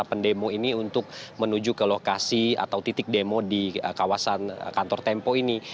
yang sudah dianggap adalah pendemo ini untuk menuju ke lokasi atau titik demo di kawasan kantor tempo ini